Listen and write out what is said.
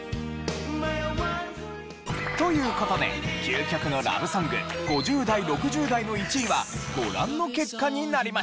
という事で究極のラブソング５０代６０代の１位はご覧の結果になりました。